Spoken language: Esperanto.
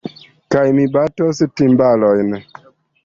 Kaj mi batos timbalojn.